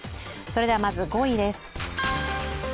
まず５位です